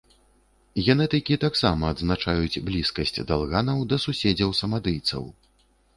Генетыкі таксама адзначаюць блізкасць далганаў да суседзяў-самадыйцаў.